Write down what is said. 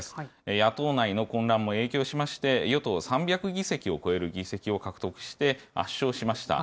野党内の混乱も影響しまして、与党、３００議席を超える議席を獲得して圧勝しました。